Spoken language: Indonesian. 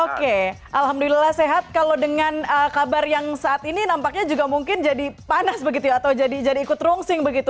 oke alhamdulillah sehat kalau dengan kabar yang saat ini nampaknya juga mungkin jadi panas begitu ya atau jadi ikut rungsing begitu